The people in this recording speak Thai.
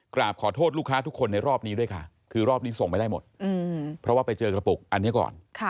กราบขอโทษลูกค้าทุกคนในรอบนี้ด้วยค่ะคือรอบนี้ส่งไม่ได้หมดเพราะว่าไปเจอกระปุกอันนี้ก่อน